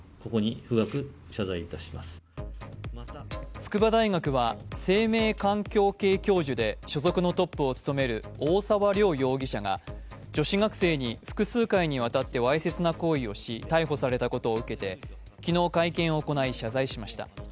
筑波大学は生命環境系教授で所属のトップを務める大澤良容疑者が女子学生に複数回にわたってわいせつな行為をし逮捕されたことを受けて昨日会見を行い、謝罪しました。